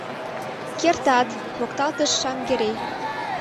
— Керта-ат, — мокталтыш Шаҥгерей.